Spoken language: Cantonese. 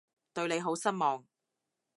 對你好失望